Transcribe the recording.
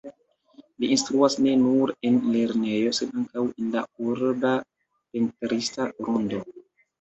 Li instruas ne nur en lernejo, sed ankaŭ en la urba pentrista rondo.